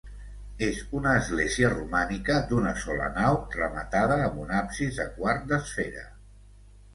És una església romànica d'una sola nau rematada amb un absis de quart d'esfera.